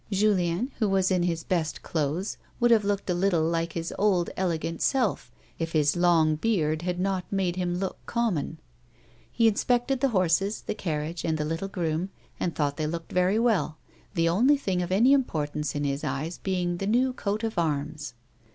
Julien, who was in his best clothes, would have looked a little like his old, elegant self, if his long beard had not made him look common. He inspected the horses, the carriage, and the little groom, and thought they looked very well, the only thing of any importance in his eyes being the new coat of arms.